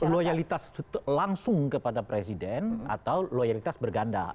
loyalitas langsung kepada presiden atau loyalitas berganda